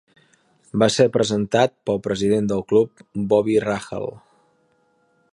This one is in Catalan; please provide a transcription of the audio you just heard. Va ser presentat pel president del club, Bobby Rahal.